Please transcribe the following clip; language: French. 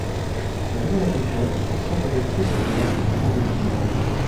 Un domaine agricole, ancien domaine seigneurial, en dépend.